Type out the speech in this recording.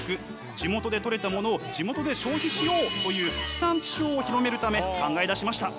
地元でとれたものを地元で消費しよう！という地産地消を広めるため考え出しました。